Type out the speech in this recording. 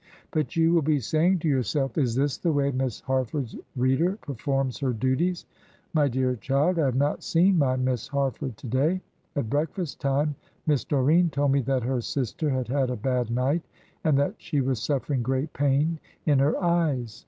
But you will be saying to yourself, 'Is this the way Miss Harford's reader performs her duties?' My dear child, I have not seen my Miss Harford to day. At breakfast time, Miss Doreen told me that her sister had had a bad night, and that she was suffering great pain in her eyes.